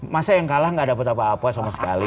masa yang kalah gak dapat apa apa sama sekali